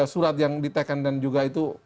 surat yang ditekan dan juga itu